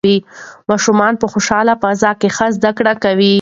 ماشومان په خوشحاله فضا کې ښه زده کوي.